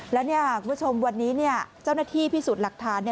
แล้วคุณผู้ชมวันนี้เจ้าหน้าที่พิสูจน์หลักฐาน